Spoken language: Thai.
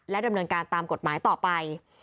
ดำเนินการตามกฎหมายต่อไป